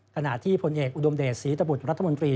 ขณะที่ผลเอกอุดมเดชศรีตบุตรรัฐมนตรี